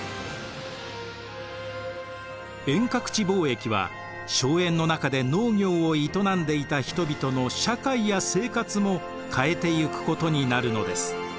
遠隔地貿易は荘園の中で農業を営んでいた人々の社会や生活も変えていくことになるのです。